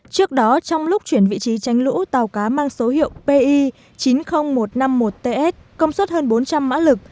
trước đó trong lúc chuyển vị trí tránh lũ tàu cá mang số hiệu pi chín mươi nghìn một trăm năm mươi một ts công suất hơn bốn trăm linh mã lực